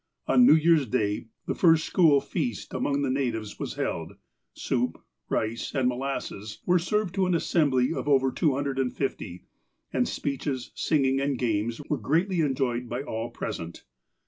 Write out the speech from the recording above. On New Year's Day the first school feast among the natives was held. Soup, rice, and molasses were served to an assembly of over two hundred and fifty, and speeches, singing, and games were greatly enjoyed by all present.